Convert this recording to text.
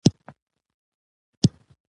ژړا او خندا دواړه ضرورتونه دي.